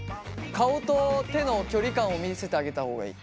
顔と手の距離感を見せてあげた方がいい。